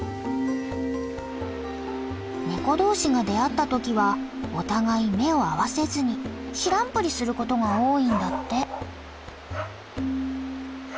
ネコ同士が出会った時はお互い目を合わせずに知らんぷりすることが多いんだって。